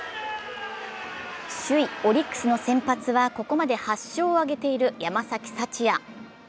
首位・オリックスの先発はここまで８勝を挙げている山崎福也。